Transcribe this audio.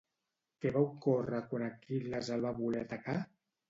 Què va ocórrer quan Aquil·les el va voler atacar?